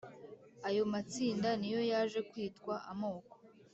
Ayo matsinda ni yo yaje kwitwa amoko